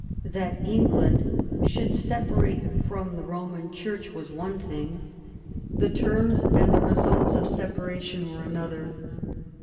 That England should separate from the Roman Church was one thing; the terms and the results of the separation were another.